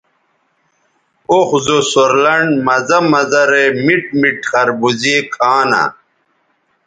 اوخ زو سور لنڈ مزہ مزہ رے میٹ میٹ خربوزے کھانہ